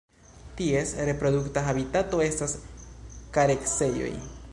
Ties reprodukta habitato estas kareksejoj.